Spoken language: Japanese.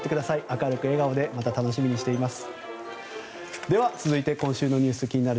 明るい笑顔でまた楽しみにしています。